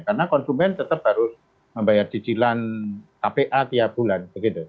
karena konsumen tetap harus membayar kejilan kpa tiap bulan